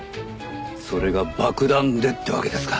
それが爆弾でってわけですか？